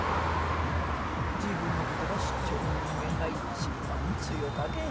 自分のことば知っちょる人間が一番強かけん。